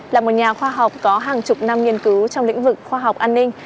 là một nhà khoa học có hàng chục năm nghiên cứu trong lĩnh vực khoa học an ninh